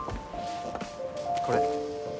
これ。